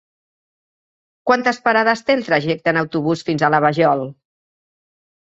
Quantes parades té el trajecte en autobús fins a la Vajol?